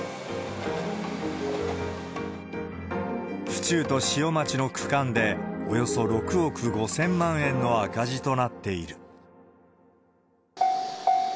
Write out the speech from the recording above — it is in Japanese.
府中と塩町の区間で、およそ６億５０００万円の赤字となっている。